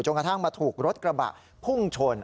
กระทั่งมาถูกรถกระบะพุ่งชน